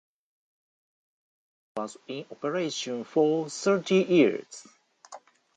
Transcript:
The station was in operation for thirty years.